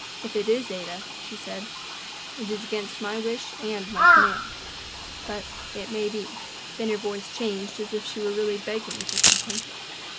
"If it is, Ada," she said, "it is against my wish and my command. But it may be." Then her voice changed as if she were really begging for something.